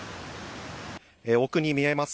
奥に見えます